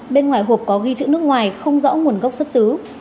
bên ngoài hộp có ghi chữ nước ngoài không rõ nguồn gốc xuất xứ